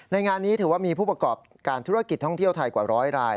งานนี้ถือว่ามีผู้ประกอบการธุรกิจท่องเที่ยวไทยกว่าร้อยราย